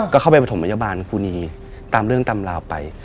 ก็เข้าไปประถมพยาบาลครูนีตามเรื่องตามราวไป